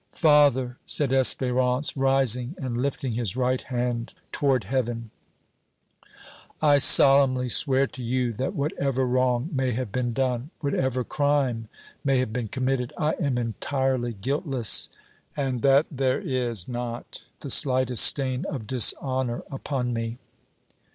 "Father," said Espérance, rising and lifting his right hand toward heaven, "I solemnly swear to you that whatever wrong may have been done, whatever crime may have been committed, I am entirely guiltless and that there is not the slightest stain of dishonor upon me!"